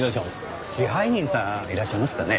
支配人さんいらっしゃいますかね？